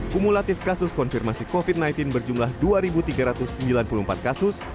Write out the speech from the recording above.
kumulatif kasus konfirmasi covid sembilan belas berjumlah dua tiga ratus sembilan puluh empat kasus